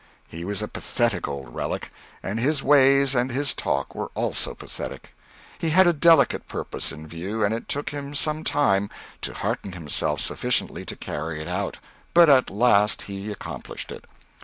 He was a pathetic old relic, and his ways and his talk were also pathetic. He had a delicate purpose in view and it took him some time to hearten himself sufficiently to carry it out, but at last he accomplished it.